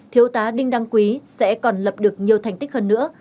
thiếu tá đinh đăng quý sẽ còn lập được nhiều thành tích hơn nữa